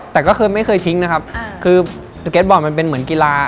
แต่ก็คือไม่เคยทิ้งนะครับคือสเก็ตบอลมันเป็นเหมือนกีฬา